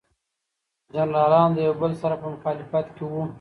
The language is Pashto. جنرالان له یو بل سره په مخالفت کې وو.